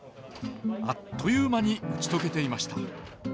あっという間に打ち解けていました。